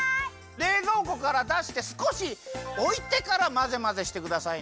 れいぞうこからだしてすこしおいてからまぜまぜしてくださいね。